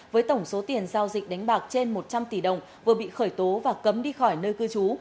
với tổng số tiền giao dịch đánh bạc trên một trăm linh tỷ đồng vừa bị khởi tố và cấm đi khỏi nơi cư trú